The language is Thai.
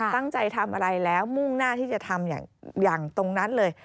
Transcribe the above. ตั้งใจทำอะไรแล้วมุ่งหน้าที่จะทำอย่างตรงนั้นเลย